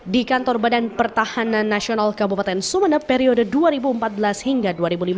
di kantor badan pertahanan nasional kabupaten sumeneb periode dua ribu empat belas hingga dua ribu lima belas